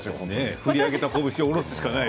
振り上げたこぶしを下ろすしかないよ。